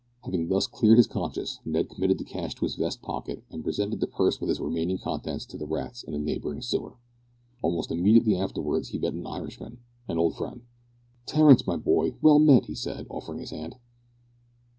Having thus cleared his conscience, Ned committed the cash to his vest pocket, and presented the purse with its remaining contents to the rats in a neighbouring sewer. Almost immediately afterwards he met an Irishman, an old friend. "Terence, my boy, well met!" he said, offering his hand.